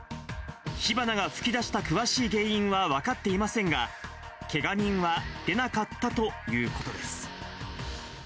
火花が噴き出した詳しい原因は分かっていませんが、けが人は出なかったということです。